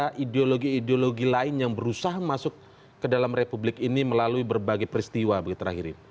ada ideologi ideologi lain yang berusaha masuk ke dalam republik ini melalui berbagai peristiwa begitu terakhir ini